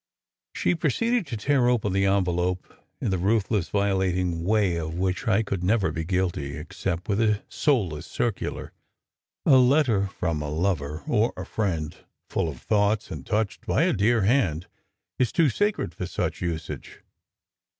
She proceeded to tear open the envelope in the ruthless violating way of which I could never be guilty except with a soulless circular. A letter from a lover, or a friend, full of thoughts and touched by a dear hand, is too sacred for such usage.